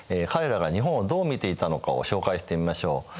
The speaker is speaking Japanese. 彼らが日本をどう見ていたのかを紹介してみましょう。